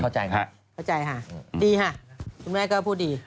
เข้าใจค่ะดีค่ะคุณแม่ก็พูดดี